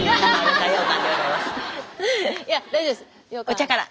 お茶から！